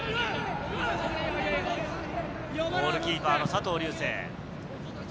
ゴールキーパーの佐藤瑠星。